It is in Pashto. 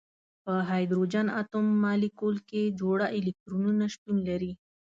په هایدروجن اتوم مالیکول کې جوړه الکترونونه شتون لري.